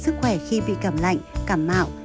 sức khỏe khi bị cảm lạnh cảm mạo